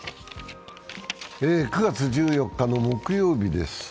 ９月１４日の木曜日です。